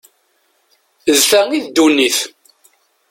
D ta i ddunit.